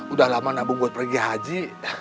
udah lama nabung buat pergi haji